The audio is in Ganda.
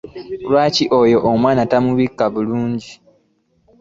Lwaki oyo omwana tomubika bulungi?